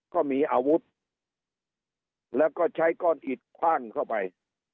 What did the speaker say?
ก็มีอาวุธแล้วก็ใช้ก้อนอิดคว่างเข้าไป